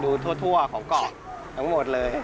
ทั่วของเกาะทั้งหมดเลย